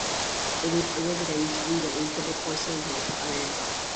It is a resident breeder in tropical Central and South America.